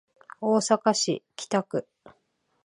大阪市北区